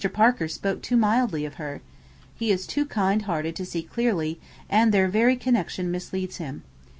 Parker spoke too mildly of her. He is too kind hearted to see clearly, and their very connection misleads him.